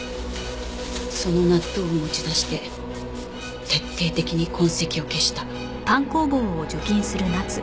その納豆を持ち出して徹底的に痕跡を消した。